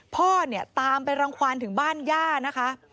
พ่อตามไปรังควรถึงบ้านย่านะคะ